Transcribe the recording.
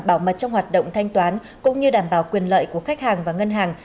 bảo mật trong hoạt động thanh toán cũng như đảm bảo quyền lợi của khách hàng và ngân hàng